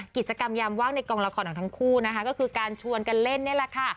กิจกรรมยามว่างในกองละครของทั้งคู่นะคะก็คือการชวนกันเล่นนี่แหละค่ะ